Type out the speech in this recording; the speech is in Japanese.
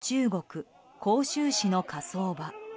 場所は中国・広州市の火葬場。